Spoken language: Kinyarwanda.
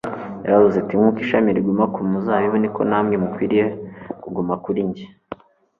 Yaravuze ati: nk'uko ishami riguma ku muzabibu niko namwe mukwiriye kuguma kuri njye.